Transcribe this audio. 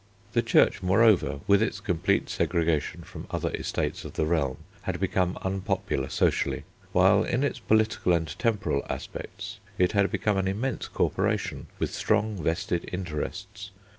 The Church moreover, with its complete segregation from other estates of the realm had become unpopular socially, while in its political and temporal aspects it had become an immense corporation with strong vested interests.